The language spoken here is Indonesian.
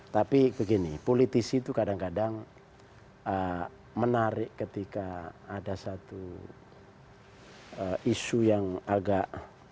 tapi begini politisi itu kadang kadang menarik ketika ada satu isu yang agak